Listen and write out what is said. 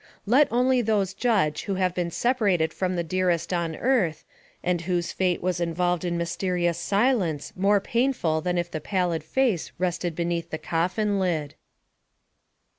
Let only those judge who have been separated from the dearest on earth, and whose fate' was involved in mysterious silence, more painful than if the pallid face rested beneath the coffin lid.